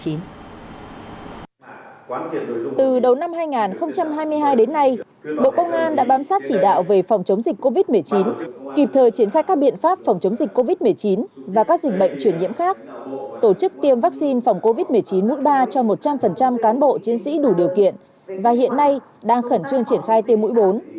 từ đầu năm hai nghìn hai mươi hai đến nay bộ công an đã bám sát chỉ đạo về phòng chống dịch covid một mươi chín kịp thời triển khai các biện pháp phòng chống dịch covid một mươi chín và các dịch bệnh chuyển nhiễm khác tổ chức tiêm vaccine phòng covid một mươi chín mũi ba cho một trăm linh cán bộ chiến sĩ đủ điều kiện và hiện nay đang khẩn trương triển khai tiêm mũi bốn